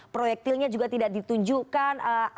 proyektilnya juga tidak ditunjukkan